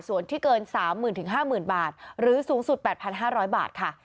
ส่วนที่เกิน๓๐๐๐๕๐๐๐บาทหรือสูงสุด๘๕๐๐บาทค่ะ